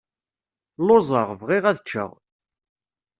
Lluẓeɣ, bɣiɣ ad ččeɣ.